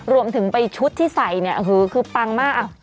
รวมถึงไปชุดที่ใส่เนี่ยคือปังมาก